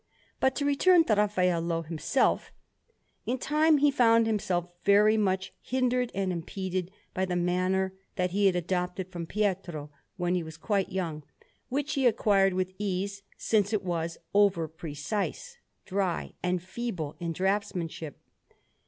But to return to Raffaello himself; in time he found himself very much hindered and impeded by the manner that he had adopted from Pietro when he was quite young, which he acquired with ease, since it was over precise, dry, and feeble in draughtsmanship.